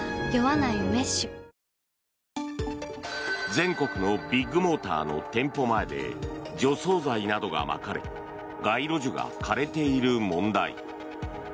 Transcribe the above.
全国のビッグモーターの店舗前で除草剤などがまかれ街路樹が枯れている問題。